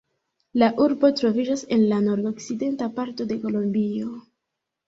La urbo troviĝas en la nordokcidenta parto de Kolombio.